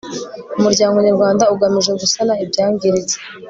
umuryango nyarwanda ugamije gusana ibyangiritse